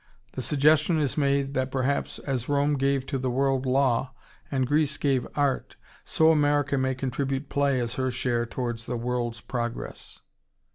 The suggestion is made that perhaps as Rome gave to the world law, and Greece gave art, so America may contribute play as her share towards the world's progress.